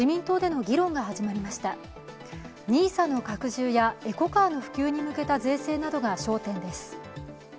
ＮＩＳＡの拡充やエコカーの普及に向けた税制などが焦点です。